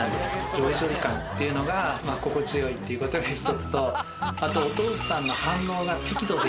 ジョリジョリ感っていうのが心地よいっていうことが１つとあとお父さんの反応が適度でいいんですよね。